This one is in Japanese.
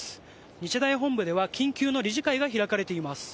日大本部では緊急の理事会が開かれています。